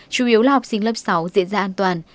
chủ yếu là học sinh lớp sáu diễn ra an toàn